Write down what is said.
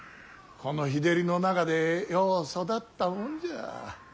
この日照りの中でよう育ったもんじゃ。